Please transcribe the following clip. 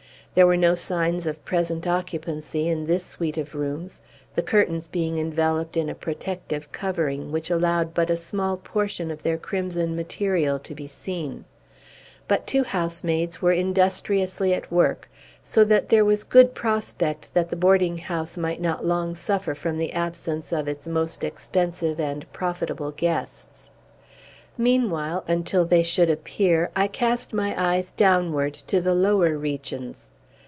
There were no signs of present occupancy in this suite of rooms; the curtains being enveloped in a protective covering, which allowed but a small portion of their crimson material to be seen. But two housemaids were industriously at work; so that there was good prospect that the boarding house might not long suffer from the absence of its most expensive and profitable guests. Meanwhile, until they should appear, I cast my eyes downward to the lower regions.